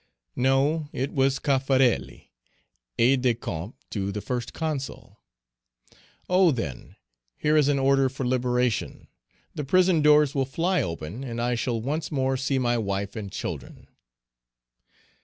No; it was Cafarelli, aide de camp to the First Consul. "Oh, then, here is an order for liberation; the prison doors will fly open, and I shall once more see my wife and children!"